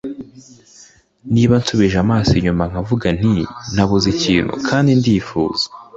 niba nsubije amaso inyuma nkavuga nti nabuze ikintu kandi ndifuza